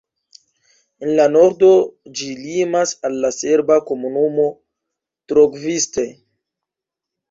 En la nordo ĝi limas al la serba komunumo Trgoviste.